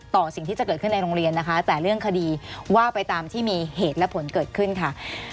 ต่อสิ่งที่จะเกิดขึ้นในโรงเรียนนะคะแต่เรื่องคดีว่าไปตามที่มีเหตุและผลเกิดขึ้นค่ะ